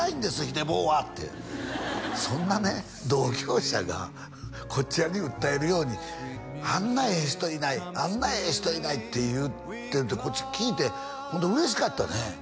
ヒデ坊は」ってそんなね同業者がこちらに訴えるように「あんなええ人いないあんなええ人いない」って言っててこっち聞いてほんで嬉しかったね